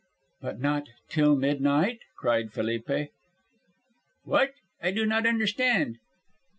"But not till midnight!" cried Felipe. "What? I do not understand."